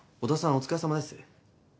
お疲れさまです。